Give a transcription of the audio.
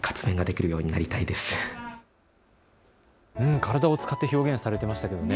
体を使って表現されていましたけれどもね。